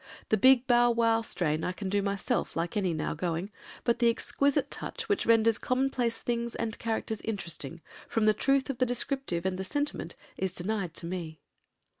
The big Bow Wow strain I can do myself like any now going, but the exquisite touch which renders commonplace things and characters interesting from the truth of the descriptive and the sentiment is denied to me."